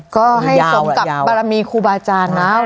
ก็ให้ทรงกับปรมีครูบาจารย์นะ